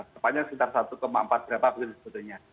sepanjang sekitar satu empat berapa begitu sebetulnya